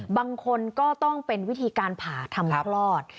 บางคนก็ต้องเป็นวิธีการผ่าทำคลอด